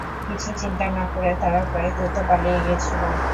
কিছু চিন্তা না করে তারা প্রায় দ্রুত পালিয়ে গিয়েছিল।